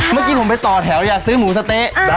เมื่อกี้ผมไปต่อแถวอยากซื้อหมูสะเต๊ะ